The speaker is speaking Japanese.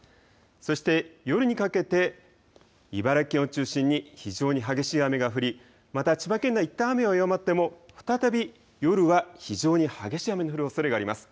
そして夜にかけて茨城県を中心に非常に激しい雨が降りまた千葉県内、いったん雨は弱まっても再び夜は非常に激しい雨の降るおそれがあります。